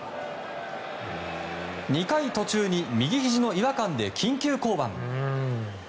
２回途中に右ひじの違和感で緊急降板。